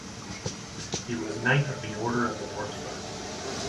He was Knight of the Order of the Porcupine.